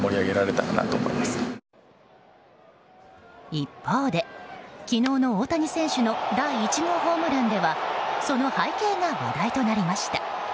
一方で、昨日の大谷選手の第１号ホームランではその背景が話題となりました。